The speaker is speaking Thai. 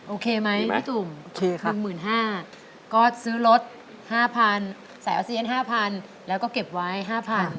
โอเคไหมพี่ตุ๋ม๑๕๐๐๐บาทก็ซื้อรถ๕๐๐๐บาทใส่ออสเซียน๕๐๐๐บาทแล้วก็เก็บไว้๕๐๐๐บาท